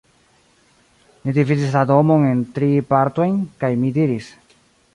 Ni dividis la domon en tri partojn, kaj mi diris: